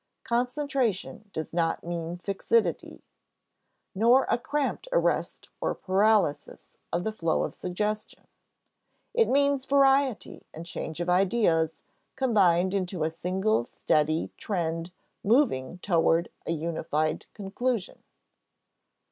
Concentration does not mean fixity, nor a cramped arrest or paralysis of the flow of suggestion. It means variety and change of ideas combined into a single steady trend moving toward a unified conclusion.